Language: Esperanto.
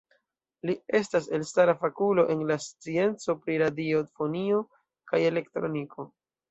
Li estas elstara fakulo en la scienco pri radiofonio kaj elektroniko.